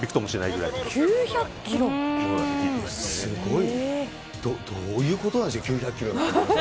すごい。どういうことなんでしょう、９００キロって。